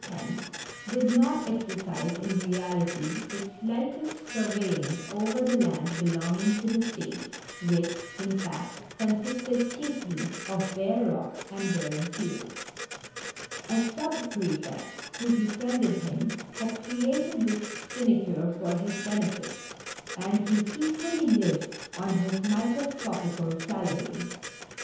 — did not exercise in reality the slightest sur veillance over the land belonging to the State, which, in fact, consisted chiefly of bare rocks and barren fields ; a sub prefect, who befriended him, had created this sine cure for his benefit, and he peacefully lived on his micro scopical salary.